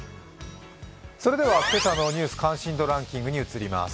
それでは今朝の「ニュース関心度ランキング」にいきます。